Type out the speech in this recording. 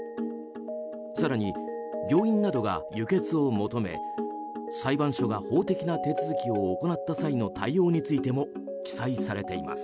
更に、病院などが輸血を求め裁判所が法的な手続きを行った際の対応についても記載されています。